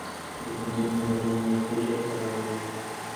د بندونو ناروغي د عمر پورې تړاو لري.